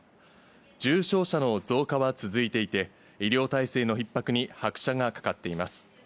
重症者の増加は続いていて、医療体制のひっ迫に拍車がかかっています。